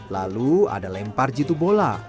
lalu ada lempar jitu bola